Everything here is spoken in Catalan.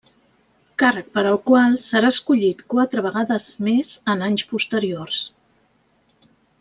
Càrrec per al qual serà escollit quatre vegades més en anys posteriors.